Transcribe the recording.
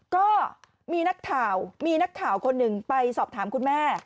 ก็มีนักข่าวมีนักข่าวคนหนึ่งไปสอบถามคุณแม่